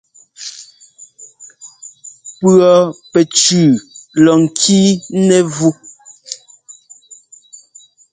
Pʉ̈ pɛcʉʉ lɔ ŋkii nɛ́vú.